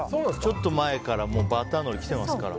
ちょっと前からバター海苔来てますから。